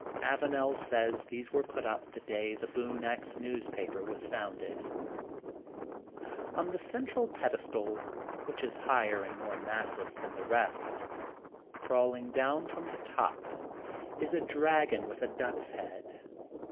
'' Avanel says these were put up the day the ''Boone Ax'^ newspaper was founded. On the central pedestal, which is higher and more massive than the rest, crawUng down from the top, is a dragon with a duck's head.